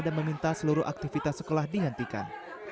dan meminta seluruh aktivitas sekolah dihentikan